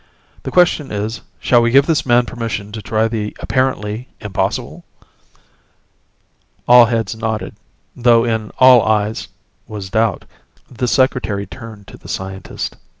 "The question is, shall we give this man permission to try the apparently impossible?" All heads nodded, though in all eyes was doubt. The Secretary turned to the scientist.